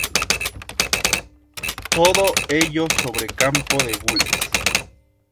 Todo ello sobre campo de gules.